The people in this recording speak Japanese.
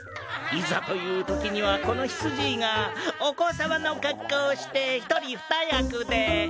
いざというときにはこのひつじいがお子様の格好をして１人２役で。